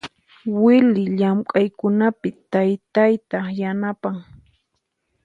Wily llamk'aykunapi taytayta yanapan.